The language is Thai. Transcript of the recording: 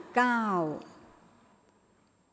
ออกรางวัลที่๖